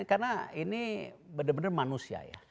karena ini benar benar manusia ya